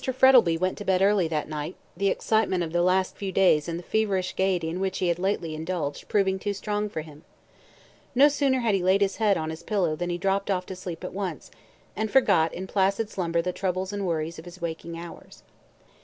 Frettlby went to bed early that night, the excitement of the last few days and the feverish gaiety in which he had lately indulged proving too strong for him. No sooner had he laid his head on his pillow than he dropped off to sleep at once, and forgot in placid slumber the troubles and worries of his waking hours.